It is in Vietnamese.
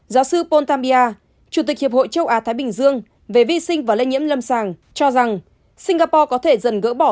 giáo sư poltam bia chủ tịch hiệp hội châu á thái bình dương về vi sinh và lây nhiễm lâm sàng cho rằng singapore có thể dần gỡ bỏ